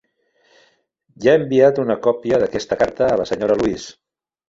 Ja he enviat una còpia d'aquesta carta a la Sra. Louise.